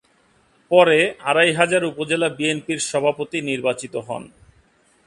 পরে আড়াইহাজার উপজেলা বিএনপির সভাপতি নির্বাচিত হন।